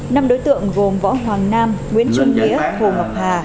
năm đối tượng gồm võ hoàng nam nguyễn trung nghĩa hồ ngọc hà